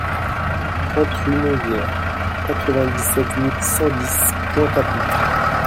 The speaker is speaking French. trente rue Nozières, quatre-vingt-dix-sept mille cent dix Pointe-à-Pitre